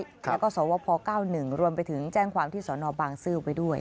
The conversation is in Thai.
แล้วก็สวพ๙๑รวมไปถึงแจ้งความที่สนบางซื่อไว้ด้วย